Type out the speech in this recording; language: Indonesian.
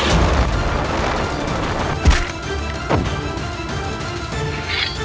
jangan lupa untuk berhenti